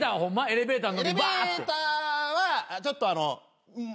エレベーターはちょっとあの。